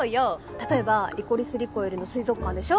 例えば「リコリス・リコイル」の水族館でしょ